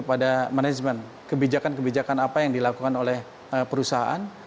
kepada manajemen kebijakan kebijakan apa yang dilakukan oleh perusahaan